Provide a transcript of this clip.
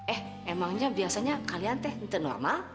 eh emangnya biasanya kalian teh ntar normal